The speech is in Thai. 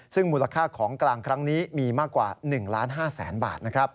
ซึ่งมูลค่าของกลางครั้งนี้มีมากกว่า๑๕๐๐๐๐บาท